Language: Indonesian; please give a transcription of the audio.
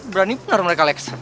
berani bener mereka lex